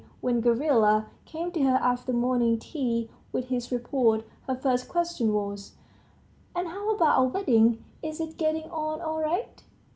When Gavrila came to her after morning tea with his report, her first question was: "And how about our wedding is it getting on all right?"